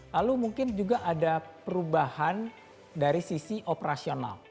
lalu mungkin juga ada perubahan dari sisi operasional